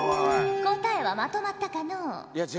答えはまとまったかのう。